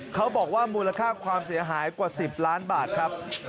เขาบอกว่ามูลค่าความเสียหายกว่า๑๐ล้านบาทครับ